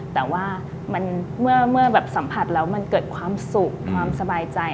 แต่ว่าเมื่อสัมผัสแล้วมันเกิดความสุขความสบายใจ